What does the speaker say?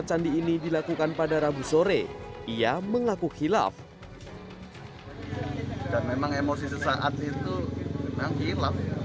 candi ini dilakukan pada rabu sore ia mengaku hilaf dan memang emosi sesaat itu memang hilaf